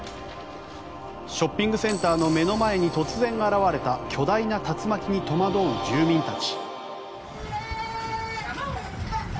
ショッピングセンターの目の前に突然現れた巨大な竜巻に戸惑う住民たち。